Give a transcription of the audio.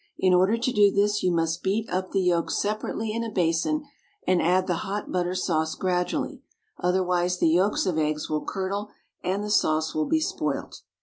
In order to do this you must beat up the yolks separately in a basin and add the hot butter sauce gradually, otherwise the yolks of eggs will curdle and the sauce will be spoilt.